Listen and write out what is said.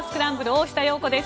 大下容子です。